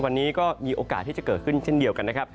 วันนี้ก็มีโอกาสที่จะเกิดขึ้นเช่นเดียวกันนะครับ